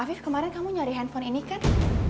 afif kemarin kamu nyari handphone ini kan